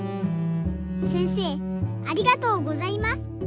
せんせいありがとうございます。